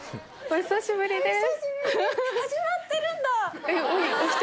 お久しぶりです